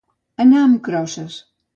Anar amb crosses.